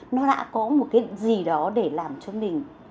nó đã có một cái gì đó để làm cho mình